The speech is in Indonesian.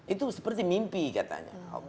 itu seperti mimpi katanya